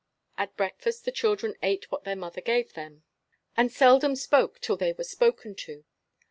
At breakfast the children ate what their mother gave them, and seldom spoke till they were spoken to.